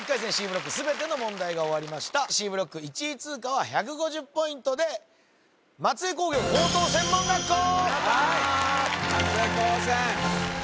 Ｃブロック全ての問題が終わりましたＣブロック１位通過は１５０ポイントで松江工業高等専門学校